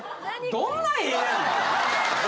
・どんな画やねん？